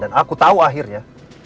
dan aku tau akhirnya